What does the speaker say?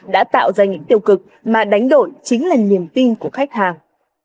đã tạo ra những tiêu cực mà đánh đổi chính là niềm tin của khách hàng